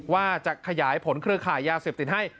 ว่าจะขยายผลเครือข่ายยาเสพติดให้